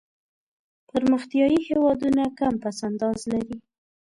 پرمختیایي هېوادونه کم پس انداز لري.